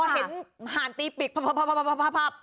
พอเห็นห่านตีบฟิกปรับ